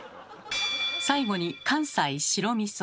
最後に関西白みそ。